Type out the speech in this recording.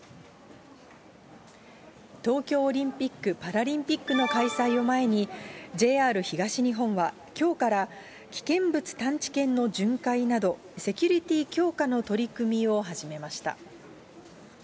東京オリンピック・パラリンピックの開催を前に、ＪＲ東日本は、きょうから危険物探知犬の巡回など、セキュリティー強化の取り組みを始めました。